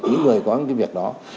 những người có cái việc đó